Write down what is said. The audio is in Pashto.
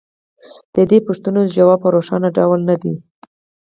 د دې پوښتنو ځواب په روښانه ډول نه دی